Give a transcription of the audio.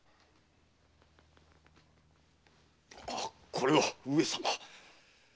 これは上様。